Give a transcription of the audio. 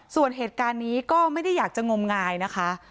ส่วนเหตุการณ์นี้ก็ไม่ได้อยากจะงมงายนะคะ